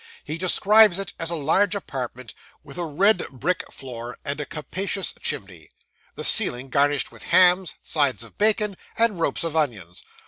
He describes it as a large apartment, with a red brick floor and a capacious chimney; the ceiling garnished with hams, sides of bacon, and ropes of onions.